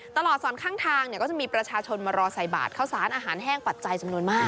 ตลอดสอนข้างทางก็จะมีประชาชนมารอใส่บาทข้าวสารอาหารแห้งปัจจัยจำนวนมาก